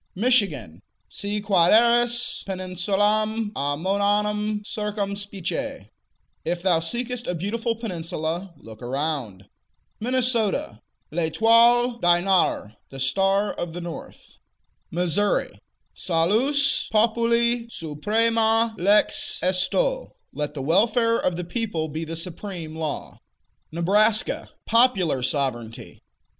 Michigan Si quaeris peninsulam amoeanam circumspice: If thou seekest a beautiful peninsula, look around. Minnesota L'Etoile du Nord: The Star of the North. Missouri Salus populi suprema lex esto: Let the welfare of the people be the supreme law. Nebraska Popular Sovereignty.